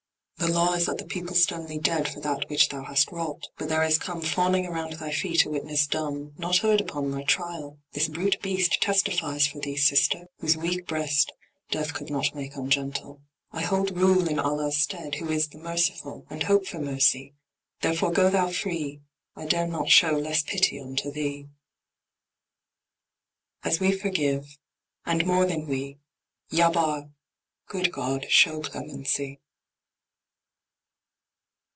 "The law is that the people stone thee dead For that which thou hast wrought; but there is come Fawning around thy feet a witness dumb, Not heard upon thy trial; this brute beast Testifies for thee, sister! whose weak breast Death could not make ungentle. I hold rule In Allah's stead, who is 'the Merciful,' And hope for mercy; therefore go thou free I dare not show less pity unto thee." As we forgive and more than we Ya Barr! Good God, show clemency.